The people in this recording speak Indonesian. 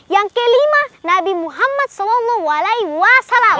yang kelima nabi muhammad sallallahu alaihi wasallam